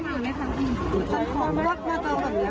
ทำให้จ้างอาทารการ